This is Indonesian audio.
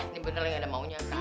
ini bener nih gak ada maunya kan